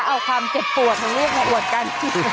เอาคำเจ็บปวดเรียกมาอวดกัน